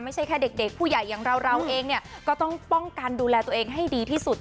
ไม่ใช่แค่เด็กผู้ใหญ่อย่างเราเองเนี่ยก็ต้องป้องกันดูแลตัวเองให้ดีที่สุด